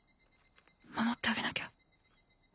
守ってあげなきゃ